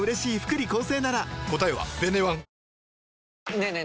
ねえねえ